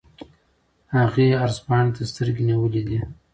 هغه عرض پاڼې ته سترګې نیولې دي.